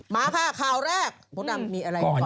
มาค่ะข่าวแรกมดดำมีอะไรต่อ